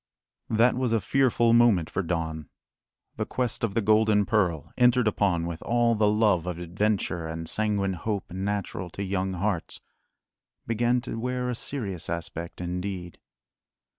That was a fearful moment for Don. The quest of the golden pearl, entered upon with all the love of adventure and sanguine hope natural to young hearts, began to wear a serious aspect indeed.